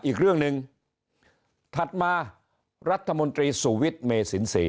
อีกเรื่องหนึ่งถัดมารัฐมนตรีสุวิทย์เมสินศรี